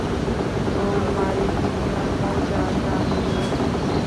Rowmari union মৌজা/গ্রাম নিয়ে গঠিত।